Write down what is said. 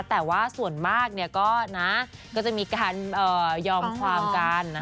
แต่ว่าส่วนมากเนี่ยก็นะก็จะมีการยอมความการนะฮะ